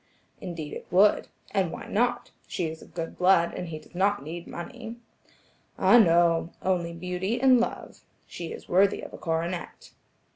"Indeed it would. And why not? She is of good blood, and he does not need money." "Ah, no! only beauty and love. She is worthy of a coronet."